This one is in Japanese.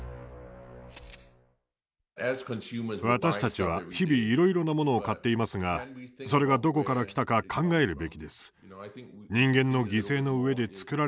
私たちは日々いろいろなものを買っていますがそれがどこから来たか考えるべきです。